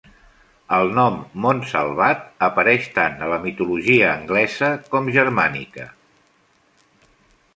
El nom Montsalvat apareix tant a la mitologia anglesa com germànica.